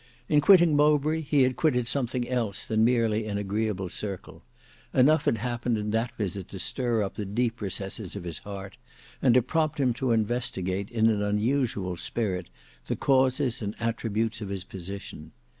In quitting Mowbray, he had quitted something else than merely an agreeable circle: enough had happened in that visit to stir up the deep recesses of his heart, and to prompt him to investigate in an unusual spirit the cause and attributes of his position.